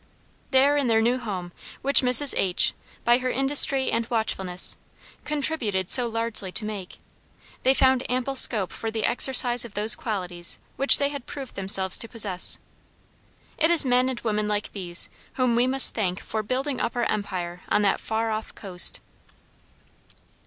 There in their new home, which Mrs. H , by her industry and watchfulness, contributed so largely to make, they found ample scope for the exercise of those qualities which they had proved themselves to possess. It is men and women like these whom we must thank for building up our empire on that far off coast.